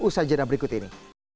sajaran berikut ini